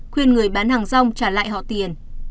khuyên người bán hàng rong trả lại họ tiền